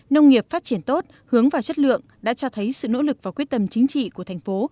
nông nghiệp phát triển tốt hướng vào chất lượng đã cho thấy sự nỗ lực và quyết tâm chính trị của thành phố